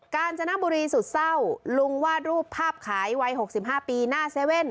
การจนบุรีสุดเศร้าลุงวาดรูปภาพขายวัย๖๕ปีหน้าเซเว่น